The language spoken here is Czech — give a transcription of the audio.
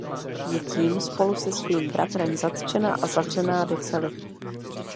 Je tím spolu se svým bratrem zatčena a zavřená do cely.